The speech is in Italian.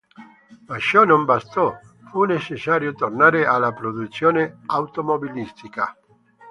Ma ciò non bastò: fu necessario tornare alla produzione automobilistica.